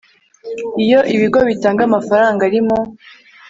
Iyo ibigo bitanga amafaranga ari mu